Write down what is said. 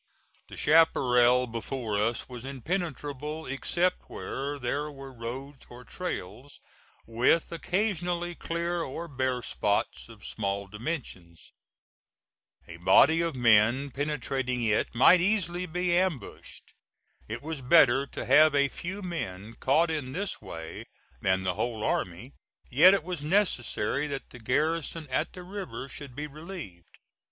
The chaparral before us was impenetrable except where there were roads or trails, with occasionally clear or bare spots of small dimensions. A body of men penetrating it might easily be ambushed. It was better to have a few men caught in this way than the whole army, yet it was necessary that the garrison at the river should be relieved.